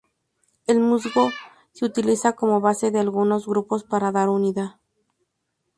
El musgo se utiliza como base de algunos grupos para dar unidad.